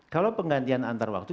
kalau penggantian antar waktu